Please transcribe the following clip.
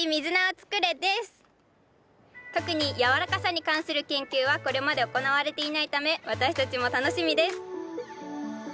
特にやわらかさに関する研究はこれまで行われていないため私たちも楽しみです。